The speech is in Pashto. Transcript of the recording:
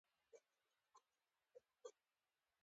باز له ښکار پرته نه شي اوسېدای